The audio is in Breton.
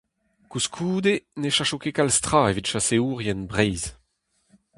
Koulskoude ne cheñcho ket kalz tra evit chaseourien Breizh.